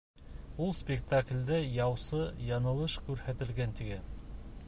Ул спектаклдә яусы яңылыш күрһәтелгән, тигән.